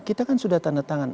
kita kan sudah tanda tangan